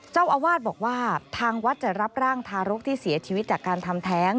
เจ้าอาวาสบอกว่าทางวัดจะรับร่างทารกที่เสียชีวิตจากการทำแท้ง